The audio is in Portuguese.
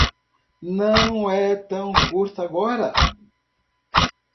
Não é tão curto agora.